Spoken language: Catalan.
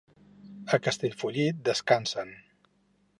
A Castellfollit descansen.